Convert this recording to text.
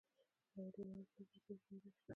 آیا لوړ دې نه وي زموږ بیرغ؟